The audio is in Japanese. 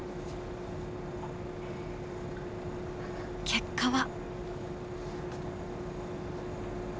結果は？